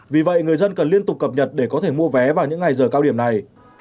vì vậy người dân cần liên tục cập nhật để có thể mua vé vào những ngày giờ cao điểm này